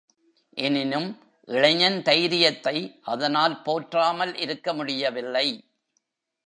எனினும் இளைஞன் தைரியத்தை அதனால் போற்றாமல் இருக்க முடியவில்லை.